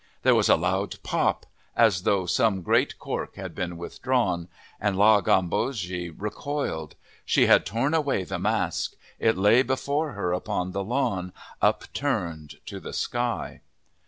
There was a loud pop, as though some great cork had been withdrawn, and La Gambogi recoiled. She had torn away the mask. It lay before her upon the lawn, upturned to the sky.